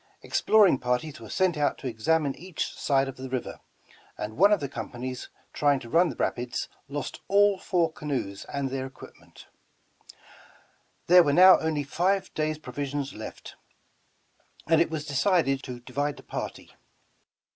'^ Exploring parties were sent out to examine each side of the river, and one of the companies trymg to run the rapids, lost all four canoes and their equipment. There were now only five days' provisions left, and it 185 The Original John Jacob Astor was decided to divide the party.